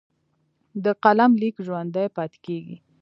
د قلم لیک ژوندی پاتې کېږي.